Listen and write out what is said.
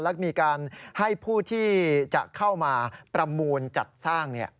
และมีการให้ผู้ที่จะเข้ามาประมูลจัดสร้าง